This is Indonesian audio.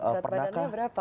udat badannya berapa